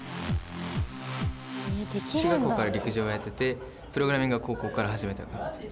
中学校から陸上をやっててプログラミングは高校から始めた形です。